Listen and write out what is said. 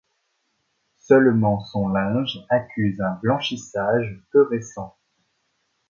Seulement son linge accuse un blanchissage peu récent.